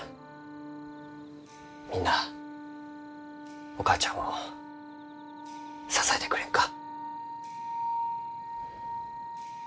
みんなあお母ちゃんを支えてくれんか？